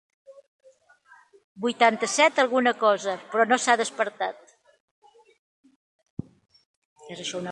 Vuitanta-set alguna cosa, però no s'ha despertat.